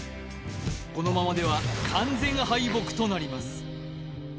このままでは完全敗北となります